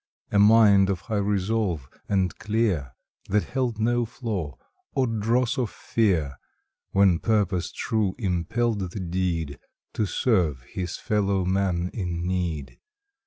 A mind of high resolve, and clear, That held no flaw, or dross of fear, When purpose true impelled the deed To serve his fellow man in need.